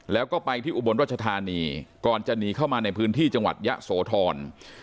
แล้วก็ไปที่อุบลรัชธานีก่อนจะหนีเข้ามาในพื้นที่จังหวัดยะโสธร